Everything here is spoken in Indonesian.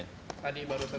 tadi baru terjadi